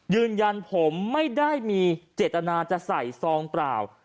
ยืนยันผมไม่ได้มีเจตนาจะใส่ซองเปล่า